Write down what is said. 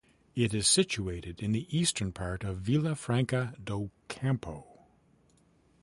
It is situated in the eastern part of Vila Franca do Campo.